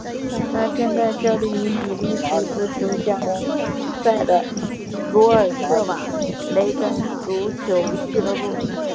他现在效力于比利时足球甲级联赛的祖尔特瓦雷根足球俱乐部。